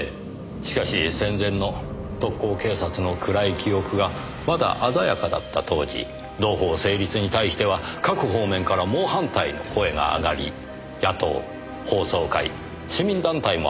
しかし戦前の特高警察の暗い記憶がまだ鮮やかだった当時同法成立に対しては各方面から猛反対の声が上がり野党法曹界市民団体も反対に回りました。